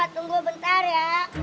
tunggu bentar ya